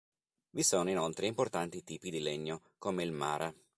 Vi sono inoltre importanti tipi di legno, come il "mara".